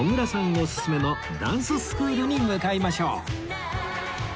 オススメのダンススクールに向かいましょう